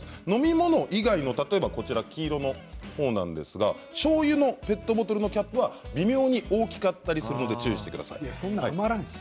飲み物以外の例えばこちらの黄色のほうなんですがしょうゆのペットボトルのキャップは微妙に大きかったりしますので注意してください。